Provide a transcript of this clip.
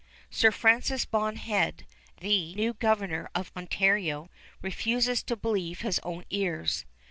Sir Francis Bond Head, the new governor of Ontario, refuses to believe his own ears.